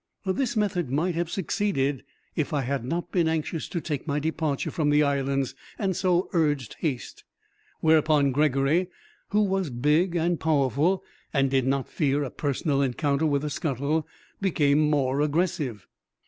This method might have succeeded if I had not been anxious to take my departure from the islands and so urged haste. Whereupon Gregory, who was big and powerful and did not fear a personal encounter with the scuttle, became more aggressive.